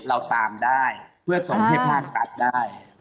เราตามได้เพื่อส่งให้ภาครัฐได้